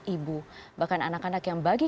ibu bahkan anak anak yang bagi